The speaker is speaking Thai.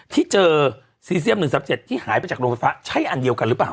ที่เจอซีเซียม๑๓๗ที่หายไปจากโรงไฟฟ้าใช่อันเดียวกันหรือเปล่า